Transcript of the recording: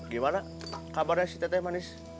gimana kabarnya si tete manis